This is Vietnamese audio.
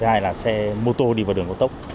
thứ hai là xe mô tô đi vào đường cao tốc